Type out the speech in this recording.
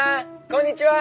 こんにちは！」。